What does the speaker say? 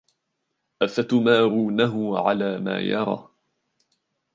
أَفَتُمَارُونَهُ عَلَى مَا يَرَى